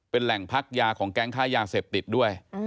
เป็นแหล่งพักยาของแก๊งค้ายาเสพติดด้วย